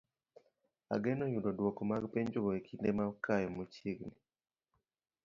Ageno yudo dwoko mag penjogo e kinde mokayo machiegni.